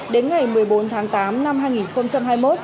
đến ngày một mươi bốn tháng tám năm hai nghìn hai mươi một